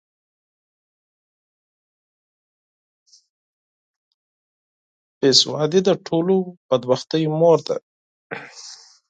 بې سوادي د ټولو بدبختیو مور ده.